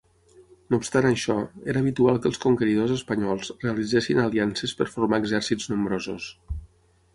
No obstant això, era habitual que els conqueridors espanyols realitzessin aliances per formar exèrcits nombrosos.